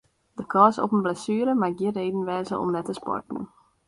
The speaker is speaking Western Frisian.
De kâns op in blessuere mei gjin reden wêze om net te sporten.